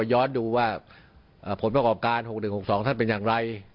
ย้อนดูว่าผลประกอบการ๖๑๖๒ท่านเป็นอย่างไร